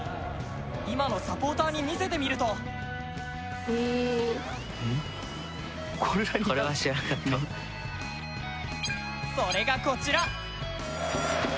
今のサポーターに見せてみるとそれがこちら。